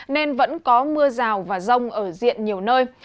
nên vẫn có mưa rào và rông ở diện nhiều nơi